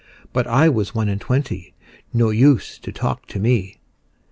'But I was one and twenty, No use to talk to me.